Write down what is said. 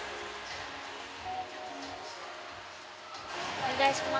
お願いします。